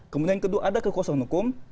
kemudian yang kedua ada kekuasaan hukum